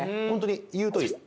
本当に、言うとおり。